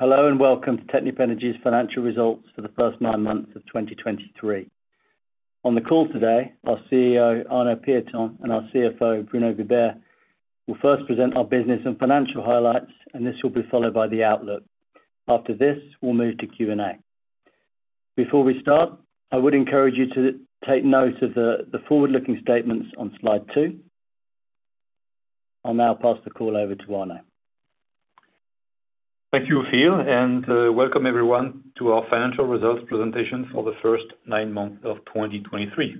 Hello, and welcome to Technip Energies Financial Results for the First 9 months of 2023. On the call today, our CEO, Arnaud Pieton, and our CFO, Bruno Vibert, will first present our business and financial highlights, and this will be followed by the outlook. After this, we'll move to Q&A. Before we start, I would encourage you to take note of the forward-looking statements on Slide two. I'll now pass the call over to Arnaud. Thank you, Phil, and welcome everyone to our financial results presentation for the first nine months of 2023.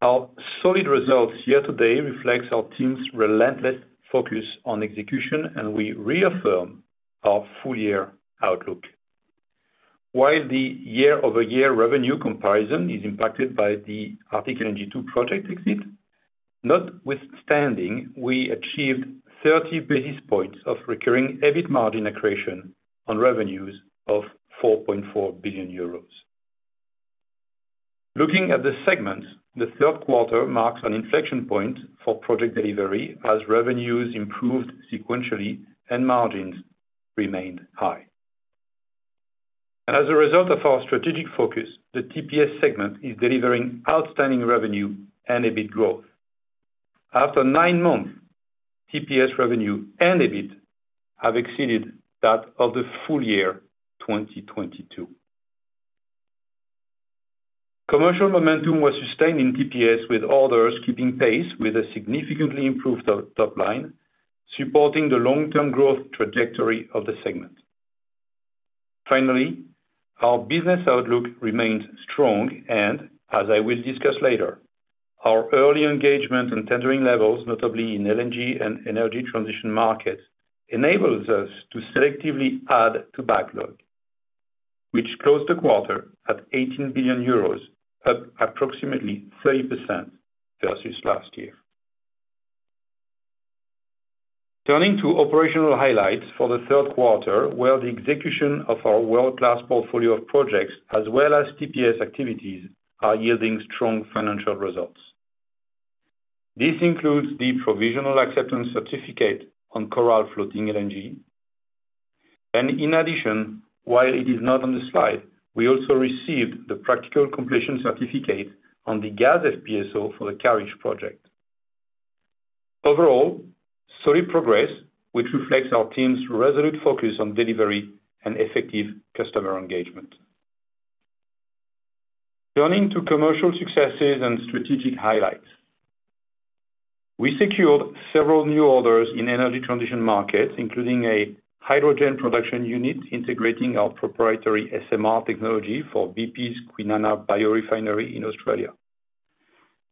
Our solid results year-to-date reflects our team's relentless focus on execution, and we reaffirm our full year outlook. While the year-over-year revenue comparison is impacted by the Arctic LNG 2 project exit, notwithstanding, we achieved 30 basis points of recurring EBIT margin accretion on revenues of 4.4 billion euros. Looking at the segments, the third quarter marks an inflection point for Project Delivery as revenues improved sequentially and margins remained high. And as a result of our strategic focus, the TPS segment is delivering outstanding revenue and EBIT growth. After nine months, TPS revenue and EBIT have exceeded that of the full year 2022. Commercial momentum was sustained in TPS, with orders keeping pace with a significantly improved top line, supporting the long-term growth trajectory of the segment. Finally, our business outlook remains strong, and as I will discuss later, our early engagement and tendering levels, notably in LNG and energy transition markets, enables us to selectively add to backlog, which closed the quarter at 18 billion euros, up approximately 30% versus last year. Turning to operational highlights for the third quarter, where the execution of our world-class portfolio of projects, as well as TPS activities, are yielding strong financial results. This includes the provisional acceptance certificate on Coral Floating LNG. And in addition, while it is not on the slide, we also received the practical completion certificate on the gas FPSO for the Karish project. Overall, solid progress, which reflects our team's resolute focus on delivery and effective customer engagement. Turning to commercial successes and strategic highlights. We secured several new orders in energy transition markets, including a hydrogen production unit integrating our proprietary SMR technology for BP's Kwinana biorefinery in Australia.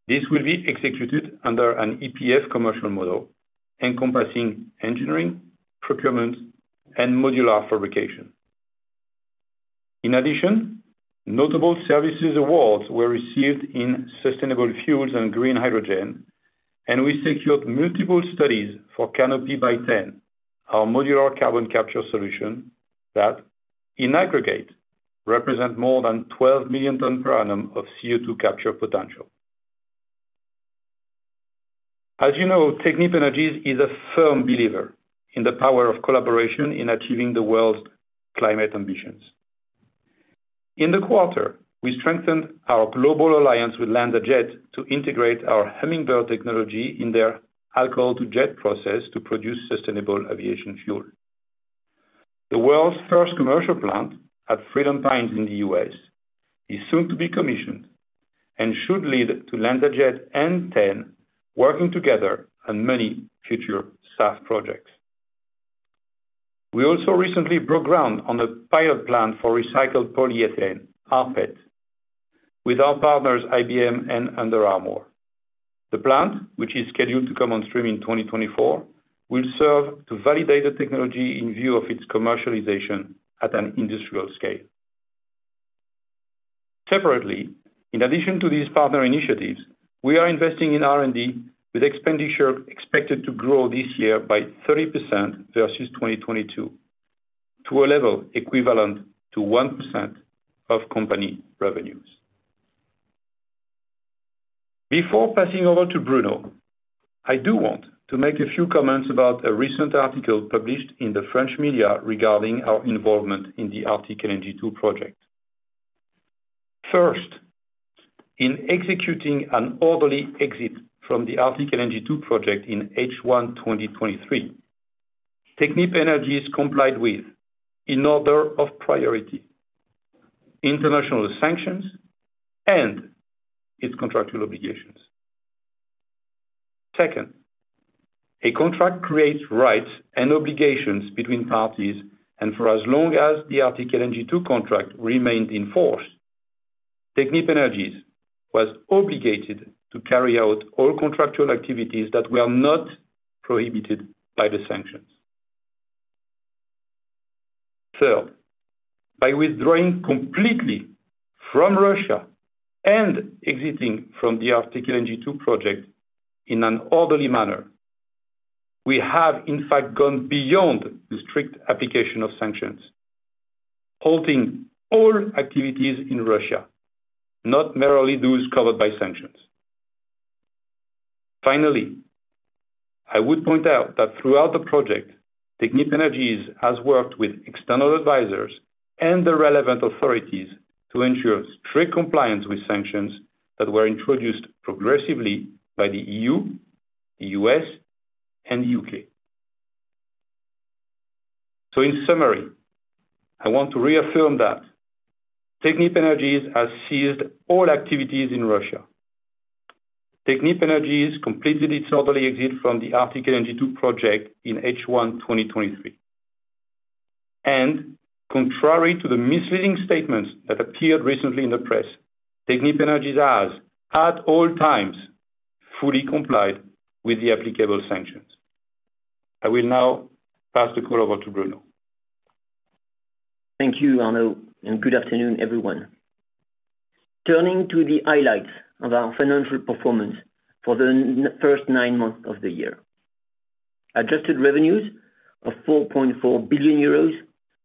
This will be executed under an EPF commercial model encompassing engineering, procurement, and modular fabrication. In addition, notable services awards were received in sustainable fuels and green hydrogen, and we secured multiple studies for Canopy by T.EN, our modular carbon capture solution, that in aggregate, represent more than 12 million ton per annum of CO2 capture potential. As you know, Technip Energies is a firm believer in the power of collaboration in achieving the world's climate ambitions. In the quarter, we strengthened our global alliance with LanzaJet to integrate our Hummingbird technology in their Alcohol-to-Jet process to produce sustainable aviation fuel. The world's first commercial plant at Freedom Pines Fuels in the U.S. is soon to be commissioned and should lead to LanzaJet and T.EN working together on many future SAF projects. We also recently broke ground on a pilot plant for recycled polyethylene, rPET, with our partners IBM and Under Armour. The plant, which is scheduled to come on stream in 2024, will serve to validate the technology in view of its commercialization at an industrial scale. Separately, in addition to these partner initiatives, we are investing in R&D, with expenditure expected to grow this year by 30% versus 2022, to a level equivalent to 1% of company revenues. Before passing over to Bruno, I do want to make a few comments about a recent article published in the French media regarding our involvement in the Arctic LNG 2 project. First, in executing an orderly exit from the Arctic LNG 2 project in H1 2023, Technip Energies complied with, in order of priority: international sanctions and its contractual obligations. Second, a contract creates rights and obligations between parties, and for as long as the Arctic LNG 2 contract remained in force, Technip Energies was obligated to carry out all contractual activities that were not prohibited by the sanctions. Third, by withdrawing completely from Russia and exiting from the Arctic LNG 2 project in an orderly manner, we have in fact gone beyond the strict application of sanctions, halting all activities in Russia, not merely those covered by sanctions.... Finally, I would point out that throughout the project, Technip Energies has worked with external advisors and the relevant authorities to ensure strict compliance with sanctions that were introduced progressively by the E.U., the U.S., and U.K. So in summary, I want to reaffirm that Technip Energies has ceased all activities in Russia. Technip Energies completely totally exit from the Arctic LNG 2 project in H1 2023. Contrary to the misleading statements that appeared recently in the press, Technip Energies has, at all times, fully complied with the applicable sanctions. I will now pass the call over to Bruno. Thank you, Arnaud, and good afternoon, everyone. Turning to the highlights of our financial performance for the first nine months of the year. Adjusted revenues of 4.4 billion euros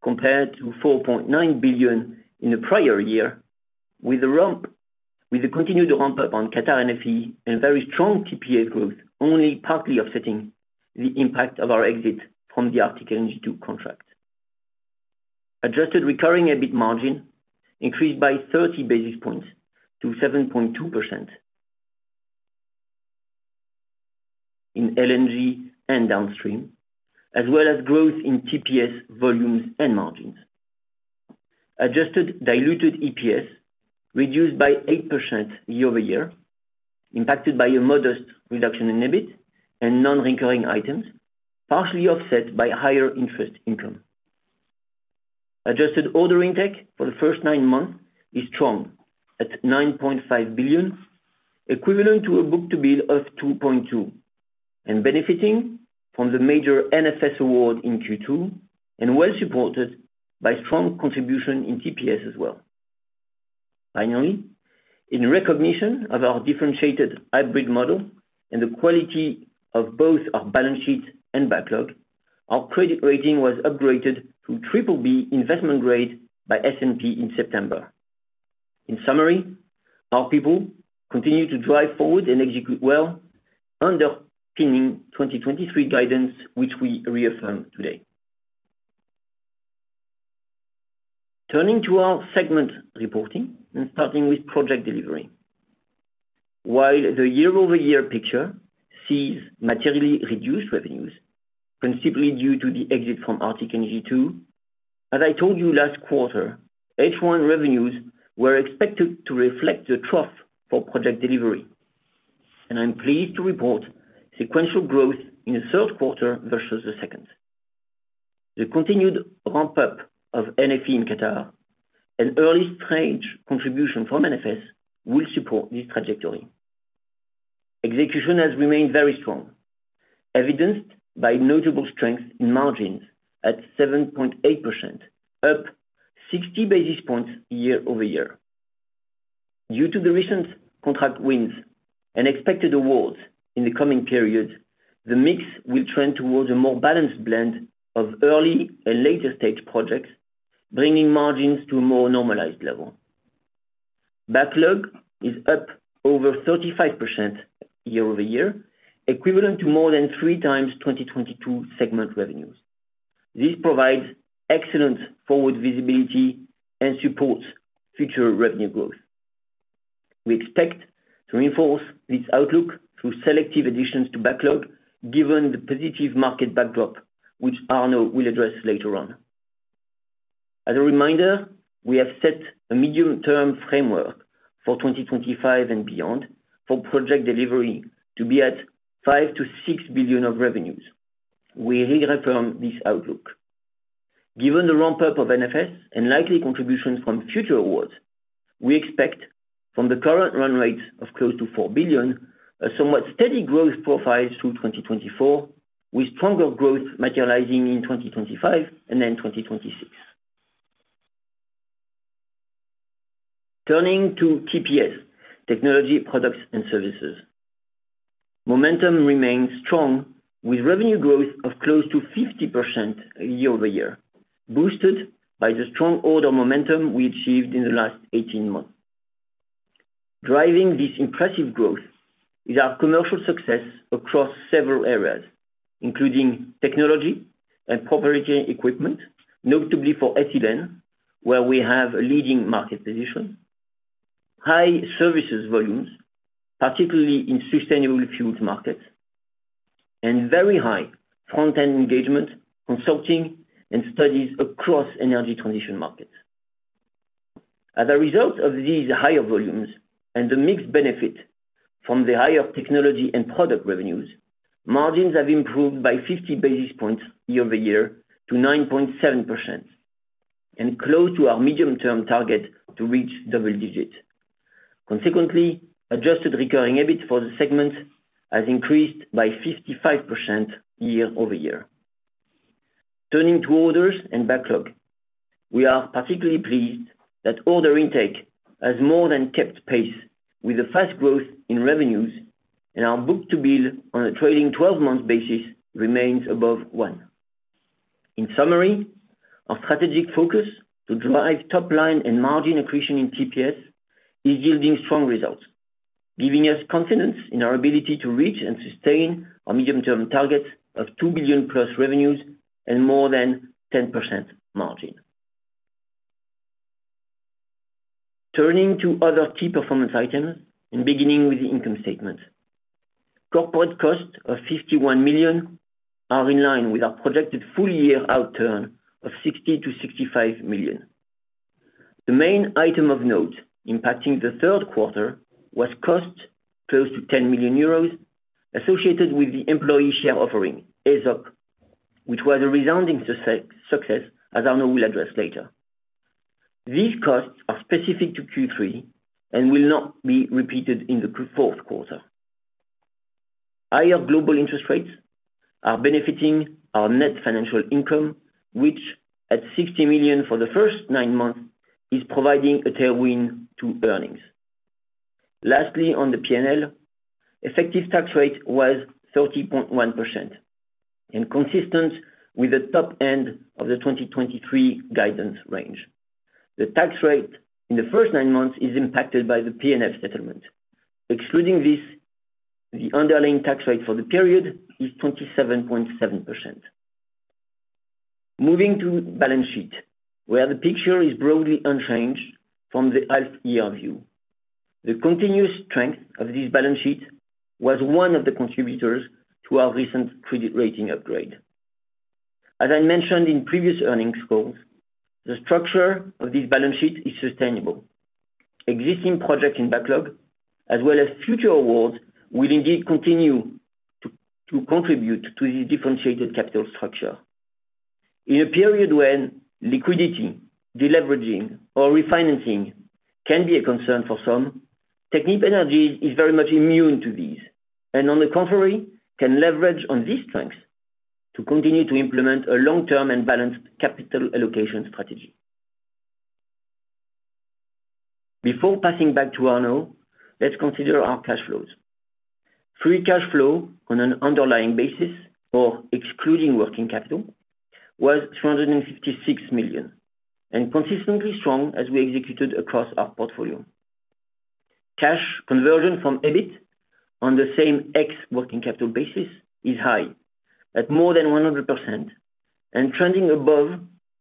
compared to 4.9 billion in the prior year, with a ramp, with the continued ramp-up on Qatar NFE and very strong TPS growth, only partly offsetting the impact of our exit from the Arctic LNG 2 contract. Adjusted recurring EBIT margin increased by 30 basis points to 7.2% in LNG and downstream, as well as growth in TPS volumes and margins. Adjusted diluted EPS reduced by 8% year-over-year, impacted by a modest reduction in EBIT and non-recurring items, partially offset by higher interest income. Adjusted order intake for the first nine months is strong at 9.5 billion, equivalent to a book-to-bill of 2.2, and benefiting from the major NFS award in Q2, and well supported by strong contribution in TPS as well. Finally, in recognition of our differentiated hybrid model and the quality of both our balance sheet and backlog, our credit rating was upgraded to BBB investment grade by S&P in September. In summary, our people continue to drive forward and execute well, underpinning 2023 guidance, which we reaffirm today. Turning to our segment reporting and starting with Project Delivery. While the year-over-year picture sees materially reduced revenues, principally due to the exit from Arctic LNG 2, as I told you last quarter, H1 revenues were expected to reflect the trough for Project Delivery, and I'm pleased to report sequential growth in the third quarter versus the second. The continued ramp-up of NFE in Qatar and early stage contribution from NFS will support this trajectory. Execution has remained very strong, evidenced by notable strength in margins at 7.8%, up 60 basis points year-over-year. Due to the recent contract wins and expected awards in the coming period, the mix will trend towards a more balanced blend of early and later stage projects, bringing margins to a more normalized level. Backlog is up over 35% year-over-year, equivalent to more than three times 2022 segment revenues. This provides excellent forward visibility and supports future revenue growth. We expect to reinforce this outlook through selective additions to backlog, given the positive market backdrop, which Arnaud will address later on. As a reminder, we have set a medium-term framework for 2025 and beyond for Project Delivery to be at 5-6 billion of revenues. We reaffirm this outlook. Given the ramp-up of NFS and likely contributions from future awards, we expect from the current run rates of close to 4 billion, a somewhat steady growth profile through 2024, with stronger growth materializing in 2025 and then 2026. Turning to TPS, Technology, Products and Services. Momentum remains strong, with revenue growth of close to 50% year-over-year, boosted by the strong order momentum we achieved in the last 18 months. Driving this impressive growth is our commercial success across several areas, including technology and proprietary equipment, notably for ethylene, where we have a leading market position, high services volumes, particularly in sustainable fuels markets, and very high front-end engagement, consulting, and studies across energy transition markets. As a result of these higher volumes and the mixed benefit from the higher technology and product revenues, margins have improved by 50 basis points year-over-year to 9.7%, and close to our medium-term target to reach double digits. Consequently, adjusted recurring EBIT for the segment has increased by 55% year-over-year. Turning to orders and backlog, we are particularly pleased that order intake has more than kept pace with the fast growth in revenues, and our book-to-bill on a trailing 12-month basis remains above 1.... In summary, our strategic focus to drive top line and margin accretion in TPS is yielding strong results, giving us confidence in our ability to reach and sustain our medium-term targets of 2 billion+ revenues and more than 10% margin. Turning to other key performance items, and beginning with the income statement. Corporate costs of 51 million are in line with our projected full year outturn of 60-65 million. The main item of note impacting the third quarter was costs close to 10 million euros, associated with the employee share offering, ESOP, which was a resounding success, as Arnaud will address later. These costs are specific to Q3 and will not be repeated in the Q4. Higher global interest rates are benefiting our net financial income, which at 60 million for the first 9 months, is providing a tailwind to earnings. Lastly, on the P&L, effective tax rate was 30.1%, consistent with the top end of the 2023 guidance range. The tax rate in the first nine months is impacted by the PNF settlement. Excluding this, the underlying tax rate for the period is 27.7%. Moving to balance sheet, where the picture is broadly unchanged from the half year view. The continuous strength of this balance sheet was one of the contributors to our recent credit rating upgrade. As I mentioned in previous earnings calls, the structure of this balance sheet is sustainable. Existing projects in backlog, as well as future awards, will indeed continue to contribute to the differentiated capital structure. In a period when liquidity, deleveraging, or refinancing can be a concern for some, Technip Energies is very much immune to these, and on the contrary, can leverage on these strengths to continue to implement a long-term and balanced capital allocation strategy. Before passing back to Arnaud, let's consider our cash flows. Free cash flow on an underlying basis, excluding working capital, was 356 million, and consistently strong as we executed across our portfolio. Cash conversion from EBIT on the same ex working capital basis is high, at more than 100%, and trending above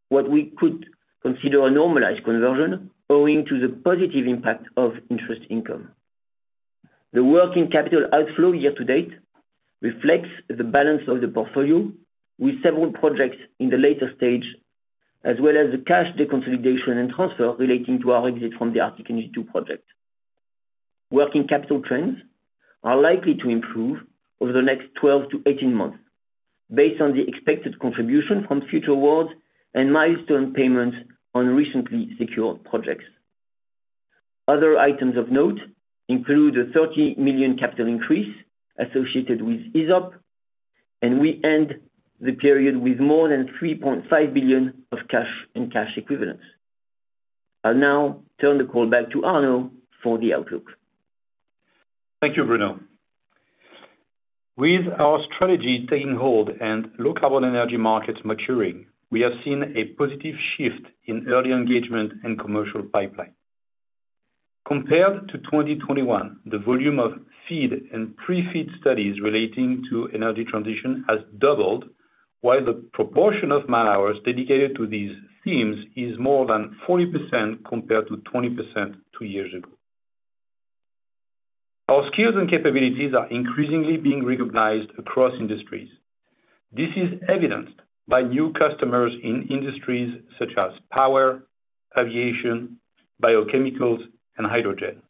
what we could consider a normalized conversion, owing to the positive impact of interest income. The working capital outflow year to date reflects the balance of the portfolio, with several projects in the later stage, as well as the cash, the consolidation and transfer relating to our exit from the Arctic LNG 2 project. Working capital trends are likely to improve over the next 12 to 18 months, based on the expected contribution from future awards and milestone payments on recently secured projects. Other items of note include a 30 million capital increase associated with ESOP, and we end the period with more than 3.5 billion of cash and cash equivalents. I'll now turn the call back to Arnaud for the outlook. Thank you, Bruno. With our strategy taking hold and low carbon energy markets maturing, we have seen a positive shift in early engagement and commercial pipeline. Compared to 2021, the volume of FEED and pre-FEED studies relating to energy transition has doubled, while the proportion of man-hours dedicated to these themes is more than 40% compared to 20% two years ago. Our skills and capabilities are increasingly being recognized across industries. This is evidenced by new customers in industries such as power, aviation, biochemicals, and hydrogen.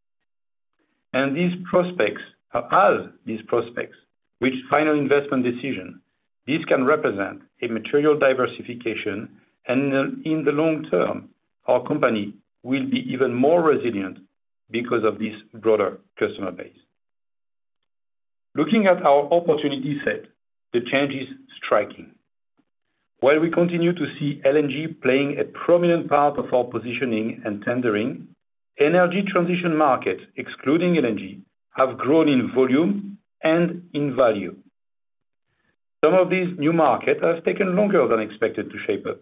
And as these prospects reach final investment decision, this can represent a material diversification, and in the long term, our company will be even more resilient because of this broader customer base. Looking at our opportunity set, the change is striking. While we continue to see LNG playing a prominent part of our positioning and tendering, energy transition markets, excluding LNG, have grown in volume and in value. Some of these new markets have taken longer than expected to shape up,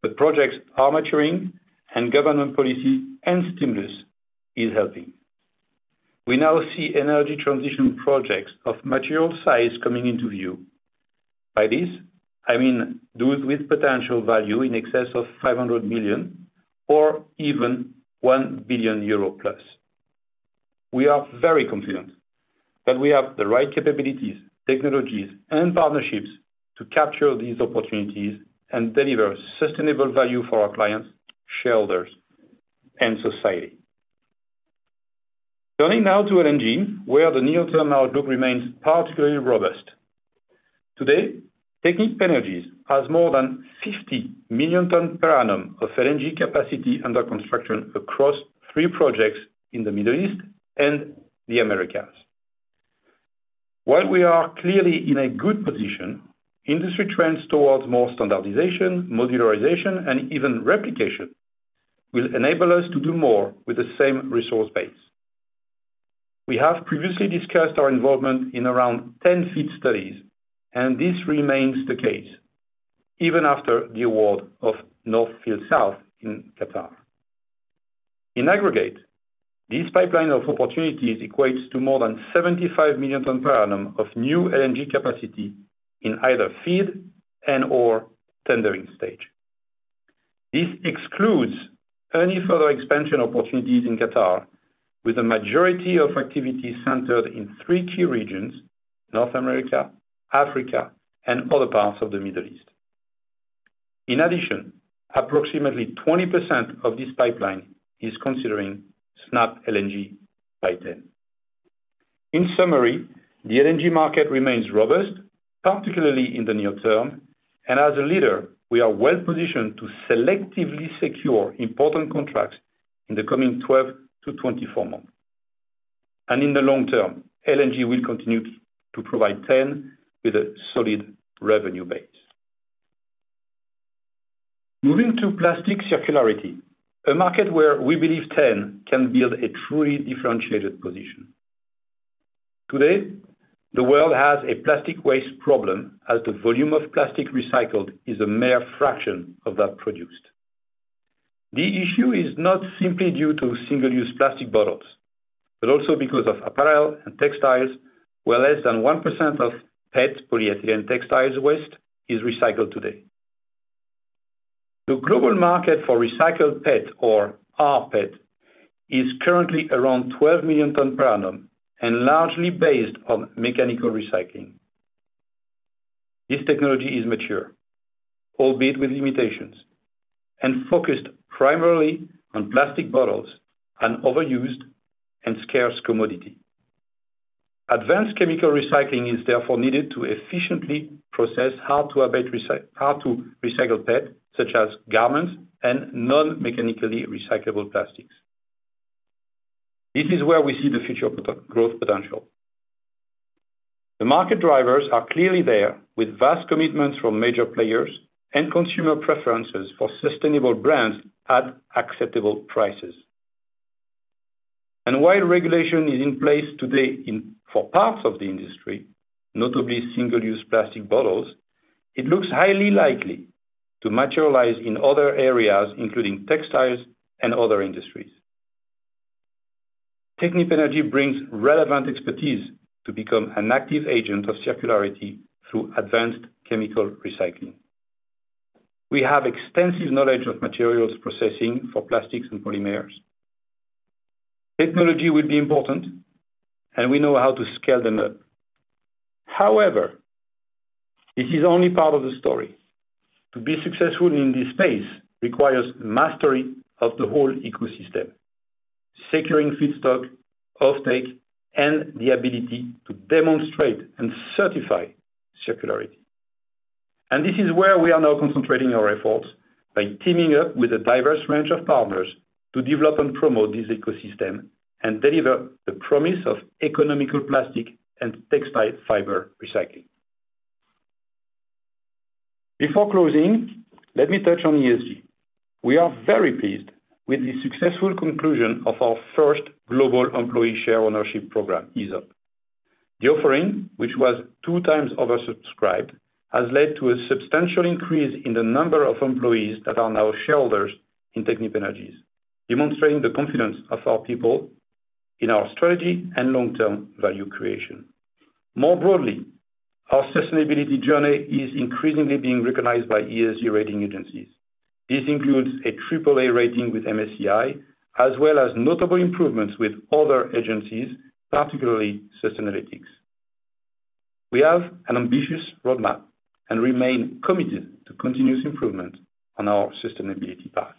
but projects are maturing and government policy and stimulus is helping. We now see energy transition projects of material size coming into view. By this, I mean those with potential value in excess of 500 million or even 1 billion euro plus. We are very confident that we have the right capabilities, technologies, and partnerships to capture these opportunities and deliver sustainable value for our clients, shareholders, and society. Turning now to LNG, where the near-term outlook remains particularly robust. Today, Technip Energies has more than 50 million tons per annum of LNG capacity under construction across three projects in the Middle East and the Americas. While we are clearly in a good position, industry trends towards more standardization, modularization, and even replication will enable us to do more with the same resource base. We have previously discussed our involvement in around 10 FEED studies, and this remains the case even after the award of North Field South in Qatar. In aggregate, this pipeline of opportunities equates to more than 75 million tons per annum of new LNG capacity in either FEED and/or tendering stage. This excludes any further expansion opportunities in Qatar, with the majority of activities centered in three key regions: North America, Africa, and other parts of the Middle East. In addition, approximately 20% of this pipeline is considering SnapLNG by T.EN. In summary, the LNG market remains robust, particularly in the near term, and as a leader, we are well positioned to selectively secure important contracts in the coming 12-24 months. In the long term, LNG will continue to provide T.EN with a solid revenue base. Moving to plastic circularity, a market where we believe T.EN can build a truly differentiated position. Today, the world has a plastic waste problem, as the volume of plastic recycled is a mere fraction of that produced. The issue is not simply due to single-use plastic bottles, but also because of apparel and textiles, where less than 1% of PET, polyethylene textiles waste, is recycled today. The global market for recycled PET, or rPET, is currently around 12 million tons per annum and largely based on mechanical recycling. This technology is mature, albeit with limitations, and focused primarily on plastic bottles, an overused and scarce commodity. Advanced chemical recycling is therefore needed to efficiently process hard to recycle PET, such as garments and non-mechanically recyclable plastics. This is where we see the future growth potential. The market drivers are clearly there, with vast commitments from major players and consumer preferences for sustainable brands at acceptable prices. While regulation is in place today in, for parts of the industry, notably single-use plastic bottles, it looks highly likely to materialize in other areas, including textiles and other industries. Technip Energies brings relevant expertise to become an active agent of circularity through advanced chemical recycling. We have extensive knowledge of materials processing for plastics and polymers. Technology will be important, and we know how to scale them up. However, this is only part of the story. To be successful in this space requires mastery of the whole ecosystem, securing feedstock, offtake, and the ability to demonstrate and certify circularity. This is where we are now concentrating our efforts by teaming up with a diverse range of partners to develop and promote this ecosystem and deliver the promise of economical plastic and textile fiber recycling. Before closing, let me touch on ESG. We are very pleased with the successful conclusion of our first global employee share ownership program, ESOP. The offering, which was 2x oversubscribed, has led to a substantial increase in the number of employees that are now shareholders in Technip Energies, demonstrating the confidence of our people in our strategy and long-term value creation. More broadly, our sustainability journey is increasingly being recognized by ESG rating agencies. This includes a AAA rating with MSCI, as well as notable improvements with other agencies, particularly Sustainalytics. We have an ambitious roadmap and remain committed to continuous improvement on our sustainability path.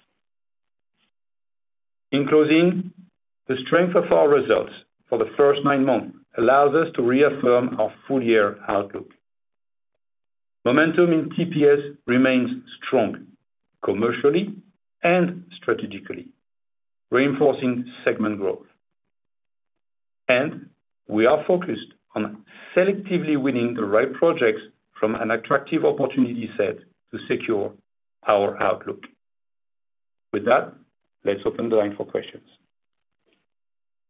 In closing, the strength of our results for the first nine months allows us to reaffirm our full year outlook. Momentum in TPS remains strong, commercially and strategically, reinforcing segment growth. And we are focused on selectively winning the right projects from an attractive opportunity set to secure our outlook. With that, let's open the line for questions.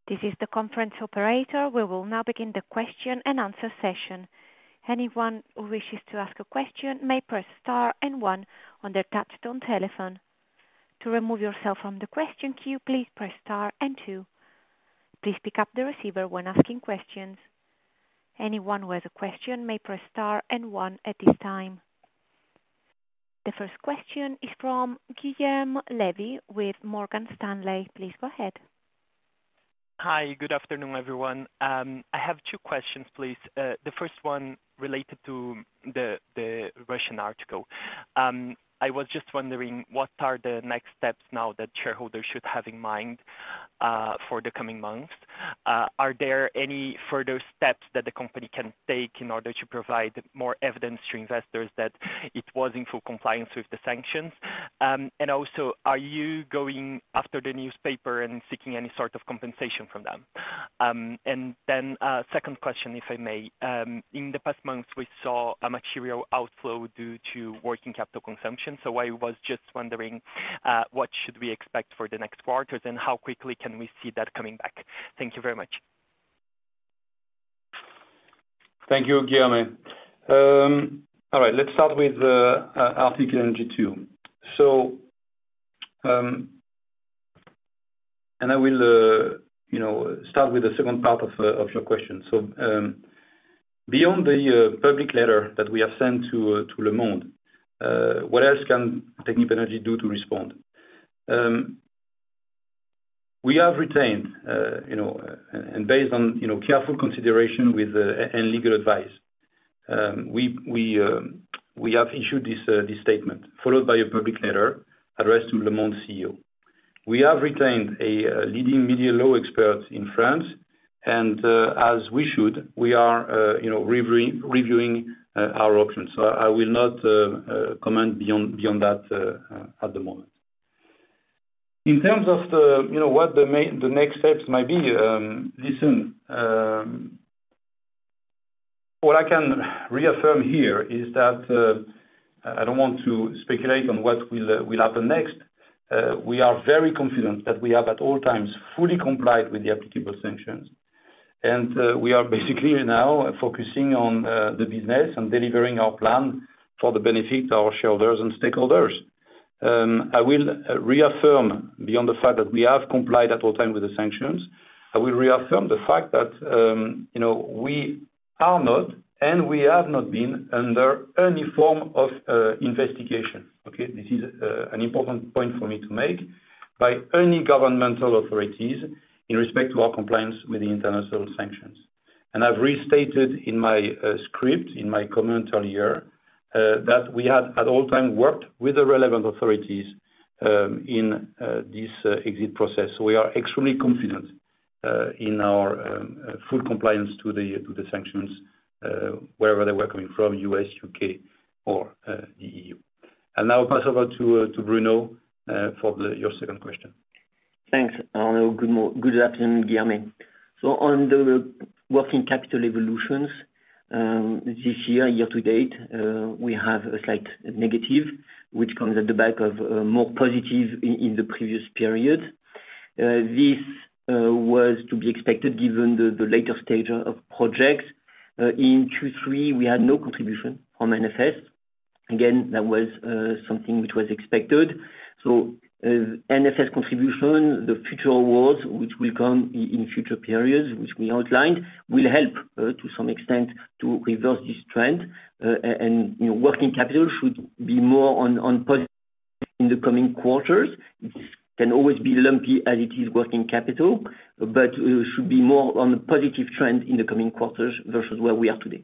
This is the conference operator. We will now begin the question and answer session. Anyone who wishes to ask a question may press star and one on their touchtone telephone. To remove yourself from the question queue, please press star and two. Please pick up the receiver when asking questions. Anyone who has a question may press star and one at this time. The first question is from Guilherme Levy with Morgan Stanley. Please go ahead. Hi, good afternoon, everyone. I have two questions, please. The first one related to the Russian article. I was just wondering, what are the next steps now that shareholders should have in mind for the coming months? Are there any further steps that the company can take in order to provide more evidence to investors that it was in full compliance with the sanctions? And also, are you going after the newspaper and seeking any sort of compensation from them? And then, second question, if I may. In the past months, we saw a material outflow due to working capital consumption, so I was just wondering, what should we expect for the next quarter, and how quickly can we see that coming back? Thank you very much. Thank you, Guillaume. All right, let's start with Arctic LNG 2. So, and I will, you know, start with the second part of your question. So, beyond the public letter that we have sent to Le Monde, what else can Technip Energies do to respond? We have retained, you know, and based on, you know, careful consideration with, and legal advice, we have issued this statement, followed by a public letter addressed to Le Monde's CEO. We have retained a leading media law expert in France, and, as we should, we are, you know, reviewing our options. So I will not comment beyond that at the moment. In terms of the, you know, what the next steps might be, listen, what I can reaffirm here is that, I don't want to speculate on what will, will happen next. We are very confident that we have, at all times, fully complied with the applicable sanctions. And, we are basically now focusing on, the business and delivering our plan for the benefit of our shareholders and stakeholders. I will reaffirm, beyond the fact that we have complied at all time with the sanctions, I will reaffirm the fact that, you know, we are not, and we have not been, under any form of, investigation, okay? This is, an important point for me to make, by any governmental authorities in respect to our compliance with the international sanctions. I've restated in my script, in my comment earlier, that we have at all time worked with the relevant authorities in this exit process. We are extremely confident in our full compliance to the sanctions wherever they were coming from, U.S., U.K., or the E.U. Now pass over to Bruno for your second question. Thanks, Arnaud. Good afternoon, Guilherme. So on the working capital evolutions, this year, year to date, we have a slight negative, which comes at the back of more positive in the previous period. This was to be expected, given the later stage of projects. In Q3, we had no contribution from NFS. Again, that was something which was expected. So, NFS contribution, the future awards, which will come in future periods, which we outlined, will help to some extent to reverse this trend. And, you know, working capital should be more on positive in the coming quarters. Can always be lumpy, as it is working capital, but should be more on the positive trend in the coming quarters versus where we are today.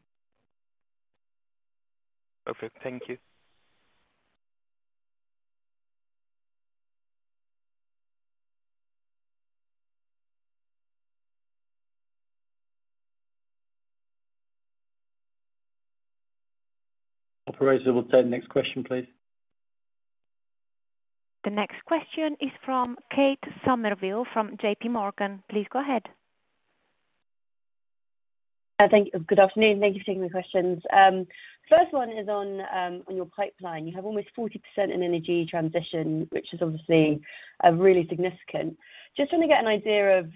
Okay, thank you. Operator, we'll take next question, please. The next question is from Kate Somerville, from JPMorgan. Please go ahead. Thank you. Good afternoon. Thank you for taking the questions. First one is on your pipeline. You have almost 40% in energy transition, which is obviously really significant. Just want to get an idea of,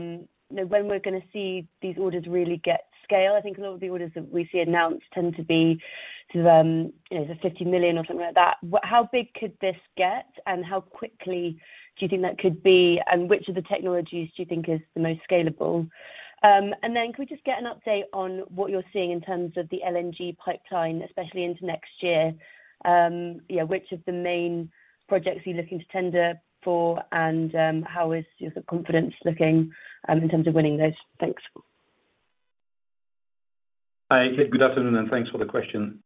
you know, when we're gonna see these orders really get scale. I think a lot of the orders that we see announced tend to be to, you know, the 50 million or something like that. How big could this get, and how quickly do you think that could be, and which of the technologies do you think is the most scalable? And then can we just get an update on what you're seeing in terms of the LNG pipeline, especially into next year? Yeah, which of the main projects are you looking to tender for, and how is your confidence looking in terms of winning those? Thanks. Hi, Kate, good afternoon, and thanks for the question.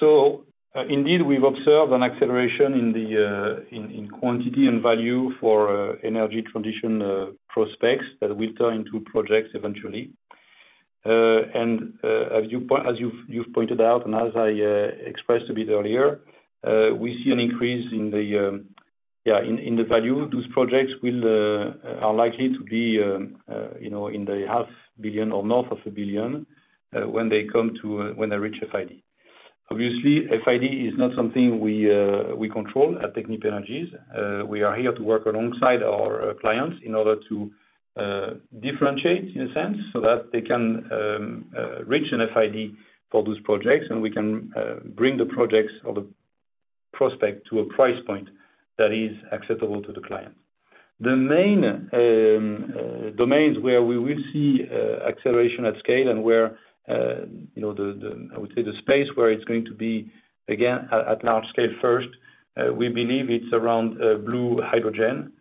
So, indeed, we've observed an acceleration in the in quantity and value for energy transition prospects that will turn into projects eventually. And, as you've pointed out, and as I expressed a bit earlier, we see an increase in the yeah in the value. Those projects are likely to be, you know, in the 500 million or north of 1 billion, when they come to when they reach FID. Obviously, FID is not something we control at Technip Energies. We are here to work alongside our clients in order to differentiate, in a sense, so that they can reach an FID for those projects, and we can bring the projects or the prospect to a price point that is acceptable to the client. The main domains where we will see acceleration at scale and where, you know, the, the, I would say the space where it's going to be, again, at large scale first, we believe it's around blue hydrogen.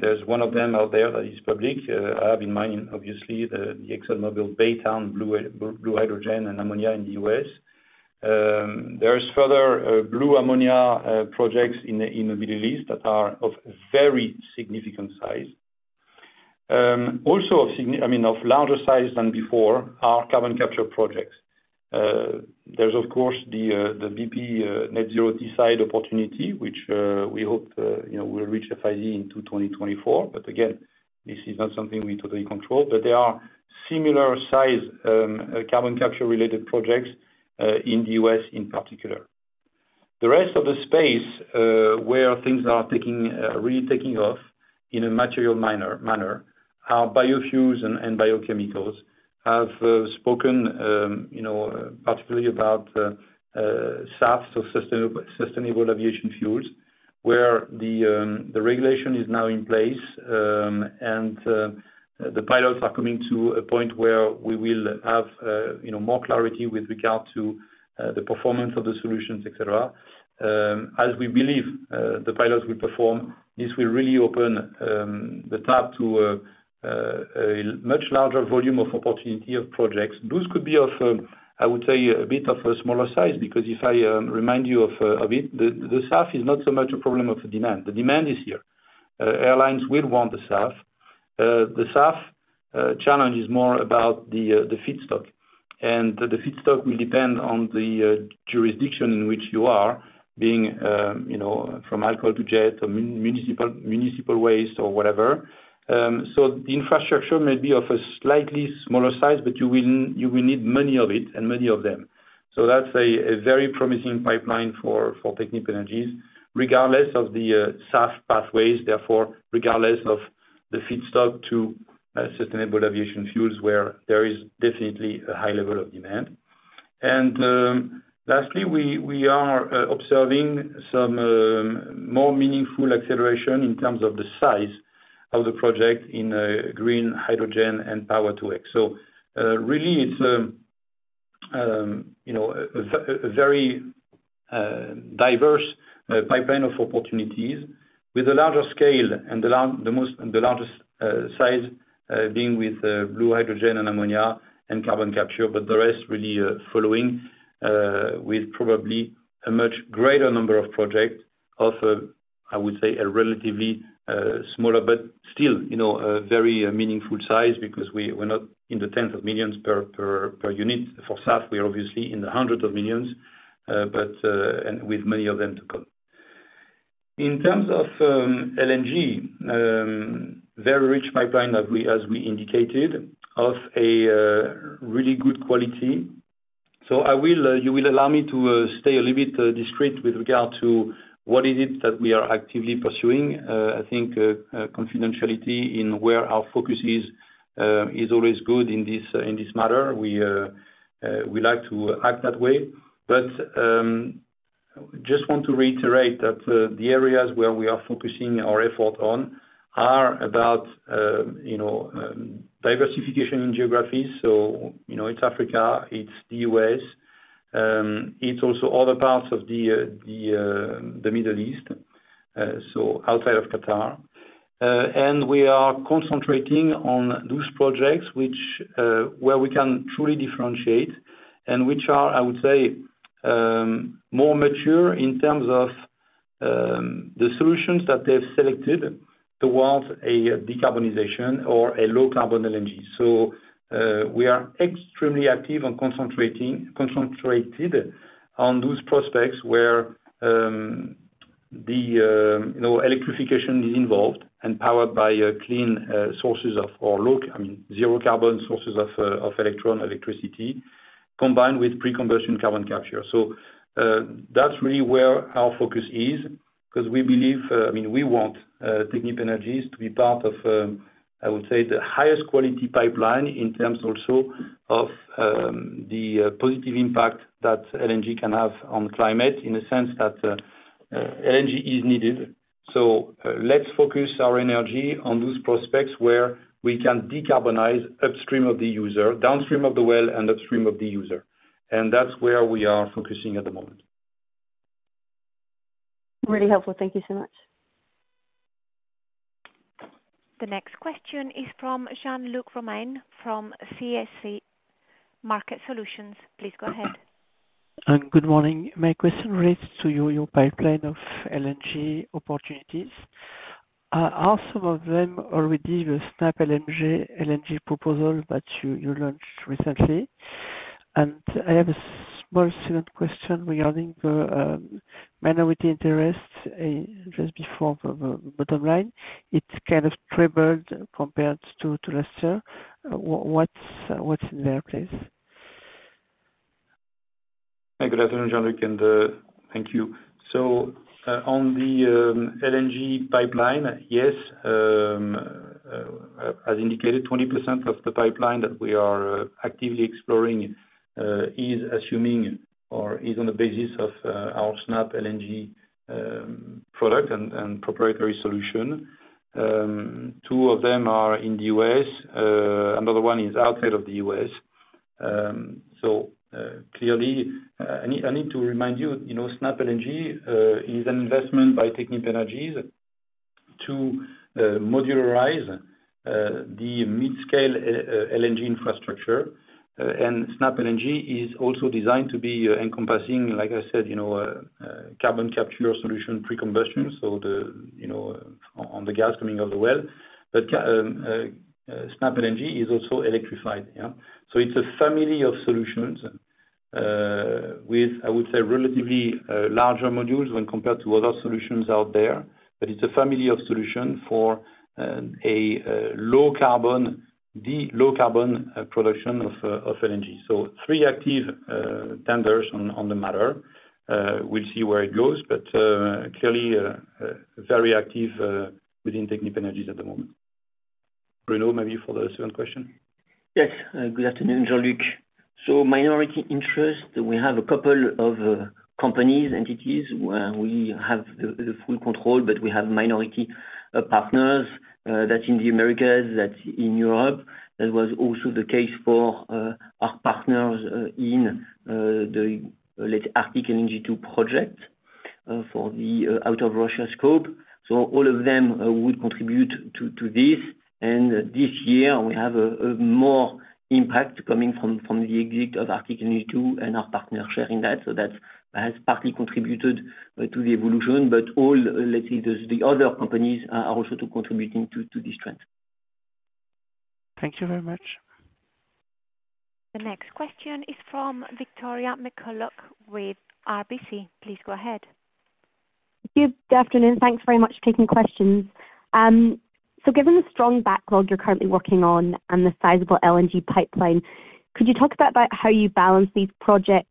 There's one of them out there that is public. I have in mind, obviously, the ExxonMobil Baytown blue hydrogen and ammonia in the U.S. There is further blue ammonia projects in the Middle East that are of very significant size. Also of larger size than before are carbon capture projects. There's of course the BP Net Zero Teesside opportunity, which we hope, you know, will reach FID in 2024. But again, this is not something we totally control, but they are similar size carbon capture-related projects in the U.S. in particular. The rest of the space where things are really taking off in a material manner are biofuels and biochemicals. I've spoken, you know, particularly about SAF, so sustainable sustainable aviation fuels, where the regulation is now in place and the pilots are coming to a point where we will have, you know, more clarity with regard to the performance of the solutions, et cetera. As we believe, the pilots will perform, this will really open the tap to a much larger volume of opportunity of projects. Those could be of, I would say, a bit of a smaller size, because if I remind you of it, the SAF is not so much a problem of demand. The demand is here. Airlines will want the SAF. The SAF challenge is more about the feedstock, and the feedstock will depend on the jurisdiction in which you are, being, you know, from Alcohol-to-Jet, to municipal, municipal waste or whatever. So the infrastructure may be of a slightly smaller size, but you will need many of it, and many of them. So that's a very promising pipeline for Technip Energies, regardless of the SAF pathways, therefore regardless of the feedstock to sustainable aviation fuels, where there is definitely a high level of demand. And we are observing some more meaningful acceleration in terms of the size of the project in green hydrogen and power-to-X. So really it's you know a very diverse pipeline of opportunities with a larger scale, and the largest size being with blue hydrogen and ammonia and carbon capture. But the rest really, following, with probably a much greater number of projects of, I would say a relatively smaller, but still, you know, a very meaningful size, because we're not in the tens of millions per unit. For SAF, we are obviously in the hundreds of millions, but and with many of them to come. In terms of LNG, very rich pipeline as we indicated, of a really good quality. So I will, you will allow me to stay a little bit discreet with regard to what is it that we are actively pursuing. I think confidentiality in where our focus is is always good in this, in this matter. We, we like to act that way. But just want to reiterate that, the areas where we are focusing our effort on are about, you know, diversification in geographies, so, you know, it's Africa, it's the U.S., it's also other parts of the Middle East, so outside of Qatar. And we are concentrating on those projects which, where we can truly differentiate and which are, I would say, more mature in terms of, the solutions that they've selected towards a decarbonization or a low carbon LNG. So, we are extremely active on concentrating, concentrated on those prospects where, you know, electrification is involved and powered by clean sources of, or low, I mean, zero carbon sources of, of electricity, combined with pre-combustion carbon capture. That's really where our focus is, 'cause we believe, I mean, we want Technip Energies to be part of, I would say, the highest quality pipeline in terms also of the positive impact that LNG can have on climate, in the sense that LNG is needed. Let's focus our energy on those prospects where we can decarbonize upstream of the user, downstream of the well, and upstream of the user. That's where we are focusing at the moment. Really helpful. Thank you so much. The next question is from Jean-Luc Romain from CIC Market Solutions. Please go ahead. Good morning. My question relates to your pipeline of LNG opportunities. Are some of them already the SnapLNG LNG proposal that you launched recently? And I have a small second question regarding the minority interest, just before the bottom line. It's kind of tripled compared to last year. What's in there, please? Hi, good afternoon, Jean-Luc, and thank you. So, on the LNG pipeline, yes, as indicated, 20% of the pipeline that we are actively exploring is assuming or is on the basis of our SnapLNG product and proprietary solution. Two of them are in the U.S., another one is outside of the U.S. So, clearly, I need to remind you, you know, SnapLNG is an investment by Technip Energies to modularize the mid-scale LNG infrastructure. And SnapLNG is also designed to be encompassing, like I said, you know, carbon capture solution pre-combustion, so the, you know, on the gas coming out of the well. But SnapLNG is also electrified, yeah? So it's a family of solutions. With, I would say, relatively larger modules when compared to other solutions out there, but it's a familiar solution for low-carbon production of LNG. So three active tenders on the matter. We'll see where it goes, but clearly very active within Technip Energies at the moment. Bruno, maybe for the second question? Yes, good afternoon, Jean-Luc. So minority interest, we have a couple of companies, entities, where we have the full control, but we have minority partners, that's in the Americas, that's in Europe. That was also the case for our partners in the Arctic LNG 2 project, for the out of Russia scope. So all of them would contribute to this, and this year, we have a more impact coming from the exit of Arctic LNG 2 and our partner sharing that, so that has partly contributed to the evolution. But all, let's say, those other companies are also contributing to this trend. Thank you very much. The next question is from Victoria McCulloch with RBC. Please go ahead. Thank you. Good afternoon, thanks very much for taking questions. So given the strong backlog you're currently working on, and the sizable LNG pipeline, could you talk about how you balance these projects?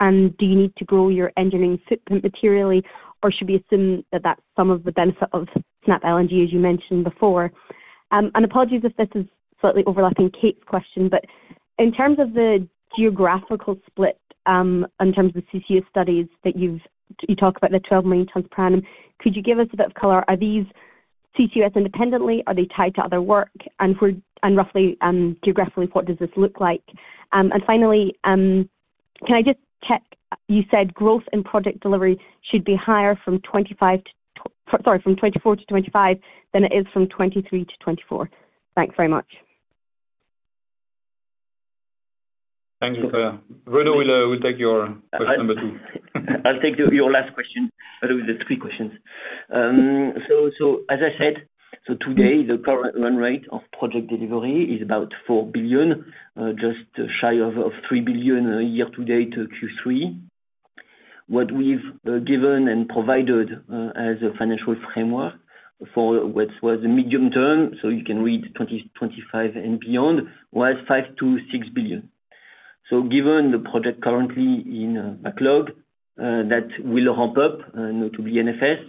And do you need to grow your engineering footprint materially, or should we assume that that's some of the benefit of Snap LNG, as you mentioned before? And apologies if this is slightly overlapping Kate's question, but in terms of the geographical split, in terms of CCS studies that you talk about the 12 million tons per annum, could you give us a bit of color? Are these CCS independently, are they tied to other work? And roughly, geographically, what does this look like? And finally, can I just check, you said growth in Project Delivery should be higher from 2024 to 2025 than it is from 2023 to 2024. Thanks very much. Thanks, Victoria. Bruno will take your question number two. I'll take your last question, but it was just three questions. So as I said, today, the current run rate of Project Delivery is about 4 billion, just shy of 3 billion year to date to Q3. What we've given and provided as a financial framework for what was the medium term, so you can read 2025 and beyond, was 5 billion-6 billion. So given the project currently in backlog, that will ramp up, you know, to be NFS,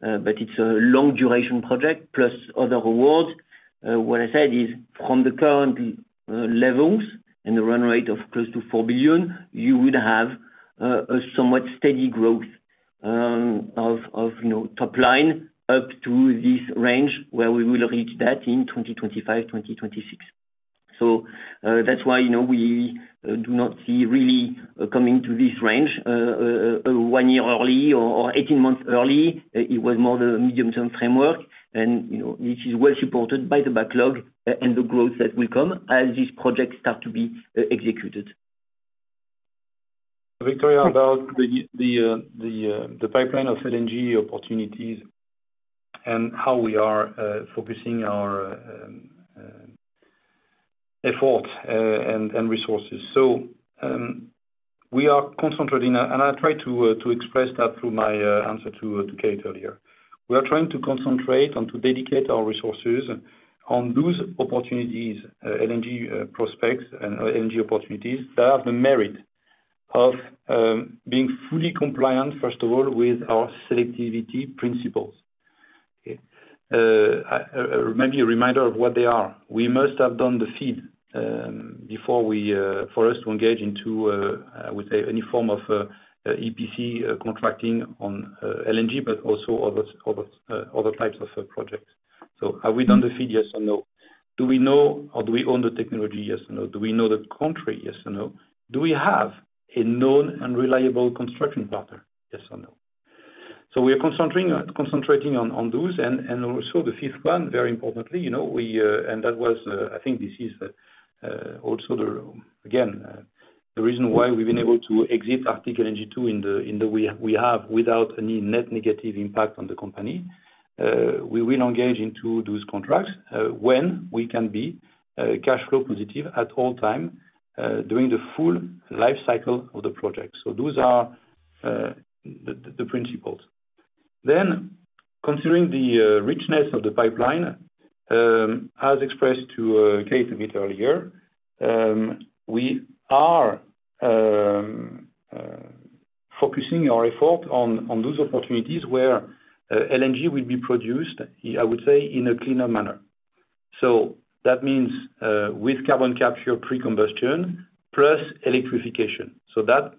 but it's a long duration project, plus other awards. What I said is, from the current levels and the run rate of close to 4 billion, you would have a somewhat steady growth, of, you know, top line up to this range, where we will reach that in 2025, 2026. So, that's why, you know, we do not see really coming to this range, one year early or 18 months early. It was more the medium-term framework, and, you know, which is well supported by the backlog and the growth that will come as these projects start to be executed. Victoria, about the pipeline of LNG opportunities and how we are focusing our effort and resources. So, we are concentrating. And I tried to express that through my answer to Kate earlier. We are trying to concentrate and to dedicate our resources on those opportunities, LNG prospects and LNG opportunities, that are the merit of being fully compliant, first of all, with our selectivity principles. Maybe a reminder of what they are. We must have done the FEED, before we, for us to engage into, I would say any form of EPC contracting on LNG, but also other types of projects. So have we done the FEED, yes or no? Do we know, or do we own the technology, yes or no? Do we know the country, yes or no? Do we have a known and reliable construction partner, yes or no? So we are concentrating on those, and also the fifth one, very importantly, you know, and that was, I think this is also the, again, the reason why we've been able to exit Arctic LNG 2 in the, in the way we have, without any net negative impact on the company. We will engage into those contracts, when we can be, cash flow positive at all time, during the full life cycle of the project. So those are, the principles. Then, considering the richness of the pipeline, as expressed to Kate a bit earlier, we are focusing our effort on those opportunities where LNG will be produced, I would say, in a cleaner manner. So that means, with carbon capture pre-combustion, plus electrification, so that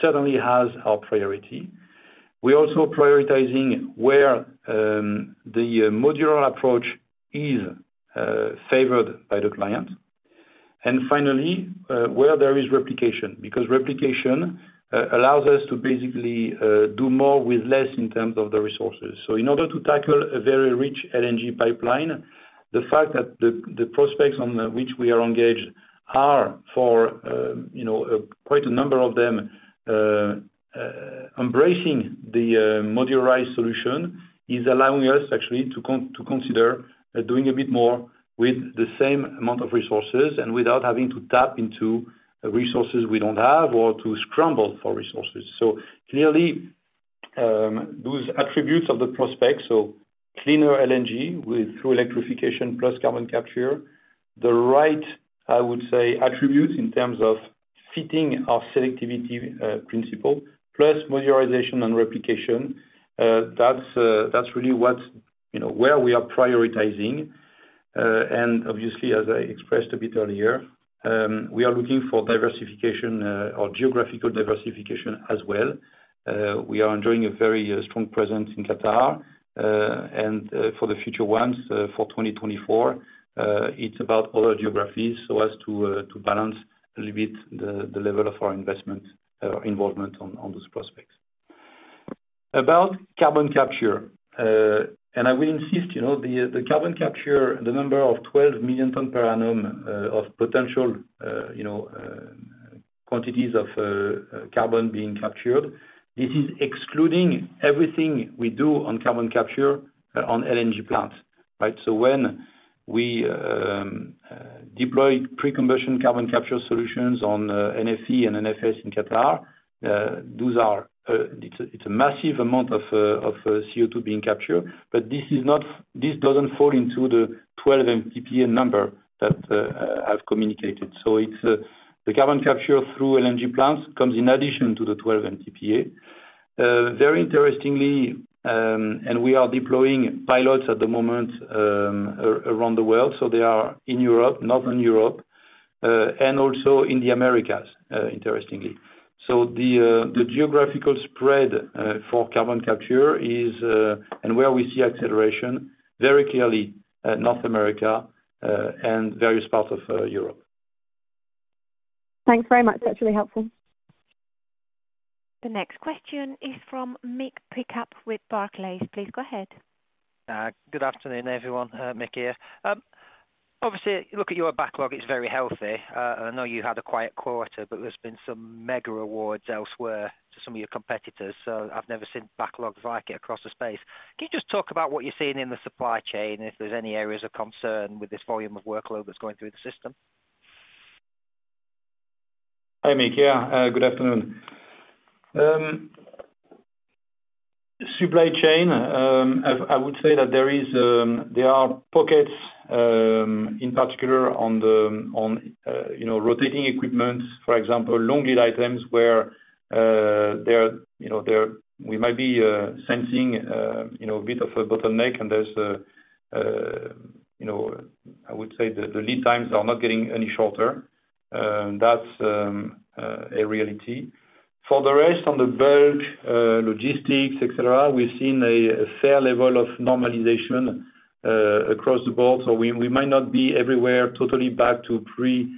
certainly has our priority. We're also prioritizing where the modular approach is favored by the client. And finally, where there is replication, because replication allows us to basically do more with less in terms of the resources. So in order to tackle a very rich LNG pipeline, the fact that the prospects on which we are engaged are for, you know, quite a number of them embracing the modularized solution, is allowing us, actually, to consider doing a bit more with the same amount of resources, and without having to tap into resources we don't have, or to scramble for resources. So clearly, those attributes of the prospect, so cleaner LNG with through electrification plus carbon capture, the right, I would say, attributes in terms of fitting our selectivity principle, plus modularization and replication, that's really what, you know, where we are prioritizing. And obviously, as I expressed a bit earlier, we are looking for diversification or geographical diversification as well. We are enjoying a very strong presence in Qatar, and for the future ones, for 2024, it's about other geographies so as to to balance a little bit the the level of our investment involvement on on those prospects. About carbon capture, and I will insist, you know, the the carbon capture, the number of 12 million tons per annum of potential you know quantities of carbon being captured, this is excluding everything we do on carbon capture on LNG plants, right? So when we deploy pre-combustion carbon capture solutions on NFE and NFS in Qatar, those are it's it's a massive amount of of of CO2 being captured, but this is not- this doesn't fall into the 12 MTPS number that I've communicated. So it's the carbon capture through LNG plants comes in addition to the 12 MTPA. Very interestingly, and we are deploying pilots at the moment, around the world, so they are in Europe, northern Europe, and also in the Americas, interestingly. So the geographical spread for carbon capture is, and where we see acceleration, very clearly, North America, and various parts of Europe. Thanks very much. That's really helpful. The next question is from Mick Pickup with Barclays. Please go ahead. Good afternoon, everyone, Mick here. Obviously, look at your backlog, it's very healthy. I know you had a quiet quarter, but there's been some mega awards elsewhere to some of your competitors, so I've never seen backlogs like it across the space. Can you just talk about what you're seeing in the supply chain, and if there's any areas of concern with this volume of workload that's going through the system? Hi, Mick. Yeah, good afternoon. Supply chain, I would say that there are pockets in particular on the, on, you know, rotating equipment, for example, long lead items where there are, you know, we might be sensing, you know, a bit of a bottleneck, and there's a, you know, I would say the lead times are not getting any shorter. That's a reality. For the rest, on the build, logistics, et cetera, we've seen a fair level of normalization across the board. So we might not be everywhere totally back to pre-COVID